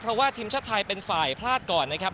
เพราะว่าทีมชาติไทยเป็นฝ่ายพลาดก่อนนะครับ